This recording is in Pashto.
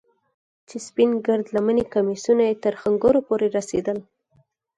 چې سپين گرد لمني کميسونه يې تر ښنگرو پورې رسېدل.